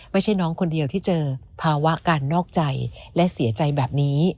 ไม่ใช่น้องคนเดียวที่เจอภาวะการนอกใจและเสียใจแบบนี้